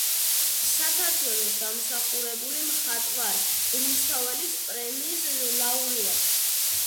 საქართველოს დამსახურებული მხატვარი, რუსთაველის პრემიის ლაურეატი.